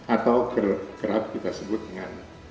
atau kerap kita sebut dengan